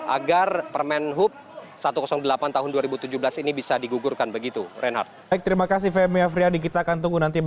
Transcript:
agar permen hub satu ratus delapan tahun dua ribu tujuh belas ini bisa digugurkan begitu